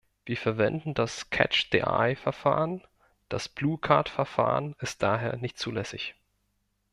Wir verwenden das "Catch-the-Eye"-Verfahren, das "Blue-Card"Verfahren ist daher nicht zulässig.